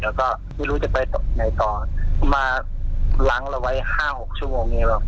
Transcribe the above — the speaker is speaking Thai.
แล้วก็ไม่รู้จะไปไหนต่อมาหลังเราไว้๕๖ชั่วโมงนี้แบบ